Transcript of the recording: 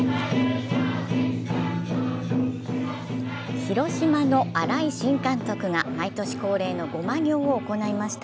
広島の新井新監督が毎年恒例の護摩行を行いました。